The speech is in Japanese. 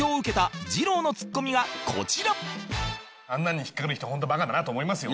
あんなのに引っかかる人ホントバカだなと思いますよ。